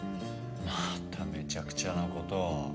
まためちゃくちゃなことを。